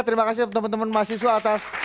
terima kasih teman teman mahasiswa atas